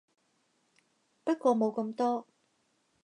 不過冇咁多